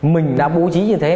mình đã bố trí như thế